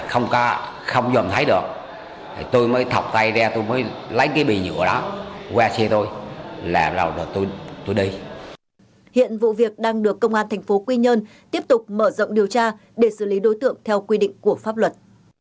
hiện vụ việc đang được công an thành phố quy nhơn tiếp tục mở rộng điều tra để xử lý đối tượng theo quy định của pháp luật